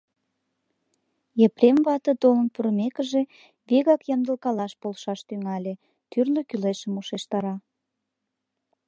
Епрем вате, толын пурымекыже, вигак ямдылкалаш полшаш тӱҥале, тӱрлӧ кӱлешым ушештара.